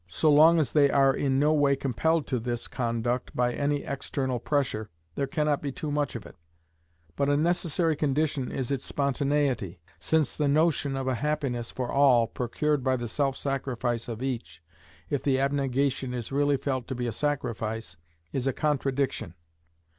So long as they are in no way compelled to this conduct by any external pressure, there cannot be too much of it; but a necessary condition is its spontaneity; since the notion of a happiness for all, procured by the self sacrifice of each, if the abnegation is really felt to be a sacrifice, is a contradiction.